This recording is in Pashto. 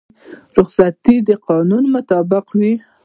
رخصتي د قانون مطابق وي